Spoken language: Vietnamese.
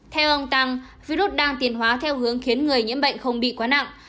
theo ông tăng virus đang tiền hóa theo hướng khiến người nhiễm bệnh không bị quá nặng